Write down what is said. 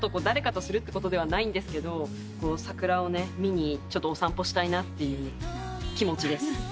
誰かとするってことではないんですが桜を見にちょっとお散歩したいなって気持ちです。